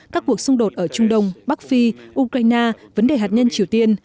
các cuộc xung đột ở trung đông bắc phi ukraine vấn đề hạt nhân triều tiên